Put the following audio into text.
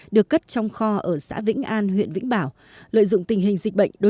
được cất trong kho ở xã vĩnh an huyện vĩnh bảo